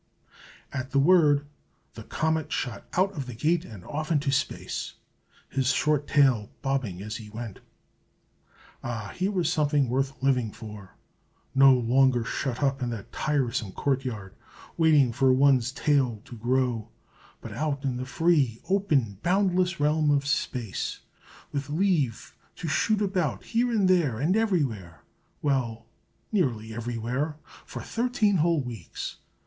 At the word, the comet shot out of the gate and off into space, his short tail bobbing as he went. Ah! here was something worth living for. No longer shut up in that tiresome court yard, waiting for one's tail to grow, but out in the free, open, boundless realm of space, with leave to shoot about here and there and everywhere well, nearly everywhere for thirteen whole weeks!